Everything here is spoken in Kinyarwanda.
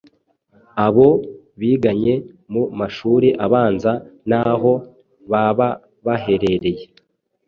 abo biganye mu mashuri abanza n'aho baba baherereye.